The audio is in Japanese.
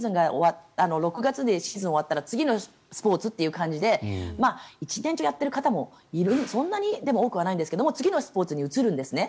６月でシーズンが終わったら次のスポーツという感じで１年中やってる方もそんなに多くはないんですが次のスポーツに移るんですね。